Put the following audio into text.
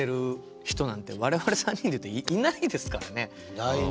いないね。